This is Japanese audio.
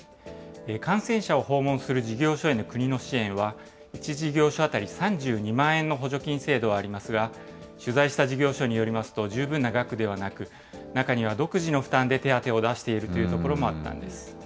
感染者を訪問する事業所への国の支援は、１事業所当たり３２万円の補助金制度はありますが、取材した事業所によりますと、十分な額ではなく、中には独自の負担で手当を出しているというところがあったんです。